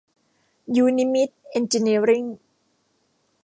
ยูนิมิต เอนจิเนียริ่ง